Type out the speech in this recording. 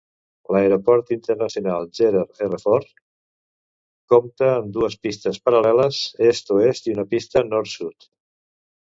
L'aeroport internacional Gerald R. Ford compta amb dues pistes paral·leles est-oest i una pista nord-sud.